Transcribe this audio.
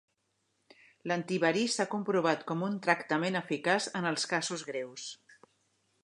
L'antiverí s'ha comprovat com un tractament eficaç en els casos greus.